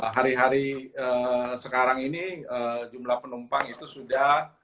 hari hari sekarang ini jumlah penumpang itu sudah